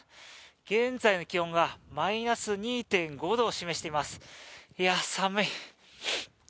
現在の気温がマイナス２．５度を示しています、いや、寒い。